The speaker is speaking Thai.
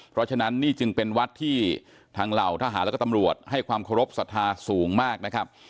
เพราะฉะนั้นนี่จึงเป็นวัดที่ทางเหล่าทหารและก็ตำรวจให้ความเคารพสัทธาสูงมากนะครับ